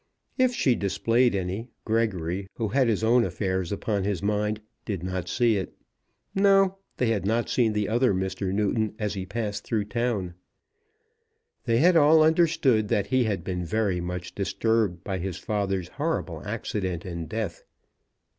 If she displayed any, Gregory, who had his own affairs upon his mind, did not see it. No; they had not seen the other Mr. Newton as he passed through town. They had all understood that he had been very much disturbed by his father's horrible accident and death.